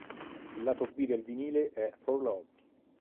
Il lato B del vinile è "For Love".